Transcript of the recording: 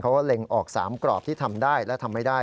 ว่าเล็งออก๓กรอบที่ทำได้และทำไม่ได้